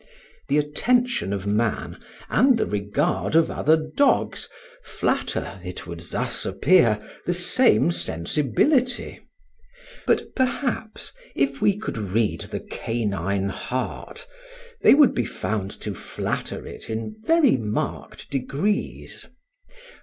The attention of man and the regard of other dogs flatter (it would thus appear) the same sensibility; but perhaps, if we could read the canine heart, they would be found to flatter it in very marked degrees.